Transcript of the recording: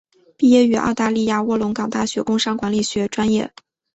毕业于澳大利亚卧龙岗大学工商管理学专业。